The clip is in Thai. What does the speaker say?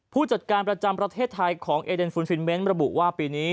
ผู้จัดการประจำประเทศไทยของเอเดนฟูนฟินเมนต์ระบุว่าปีนี้